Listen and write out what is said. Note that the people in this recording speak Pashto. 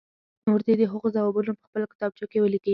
نور دې د هغو ځوابونه په خپلو کتابچو کې ولیکي.